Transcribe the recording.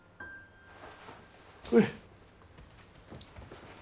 これ。